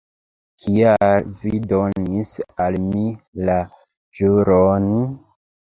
Kial vi donis al mi la ĵuron?